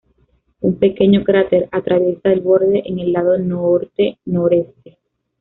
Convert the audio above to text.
Un pequeño cráter atraviesa el borde en el lado norte-noreste.